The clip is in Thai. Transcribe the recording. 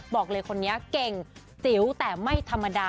บอกเลยคนนี้เก่งจิ๋วแต่ไม่ธรรมดา